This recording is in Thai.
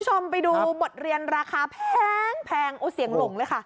คุณผู้ชมไปดูบทเรียนราคาแพงโอ้เสียงหลงเลยค่ะ